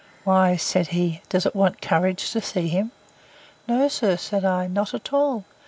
Why, said he, does it want courage to see him? No, sir, said I, not at all.